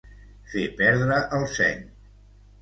Fer perdre el seny.